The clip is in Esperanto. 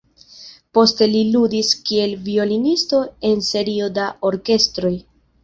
Poste li ludis kiel violonisto en serio da orkestroj.